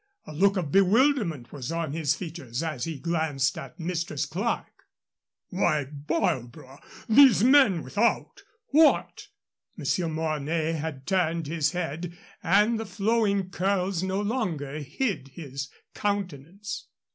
A look of bewilderment was on his features as he glanced at Mistress Clerke. "Why, Barbara these men without What ?" Monsieur Mornay had turned his head, and the flowing curls no longer hid his countenance.